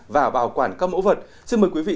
và bảo quản các mẫu vật xin mời quý vị